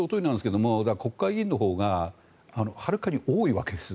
国会議員のほうがはるかに多いわけです。